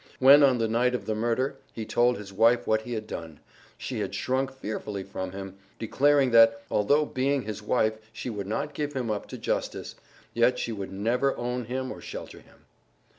When, on the night of the murder, he told his wife what he had done, she had shrunk fearfully from him, declaring that, although being his wife she would not give him up to justice, yet she would never own him or shelter him.